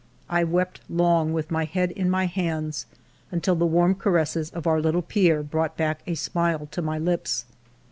I wept long, with my head in my hands, until the warm caresses of our little Pierre brought back a smile to my lips.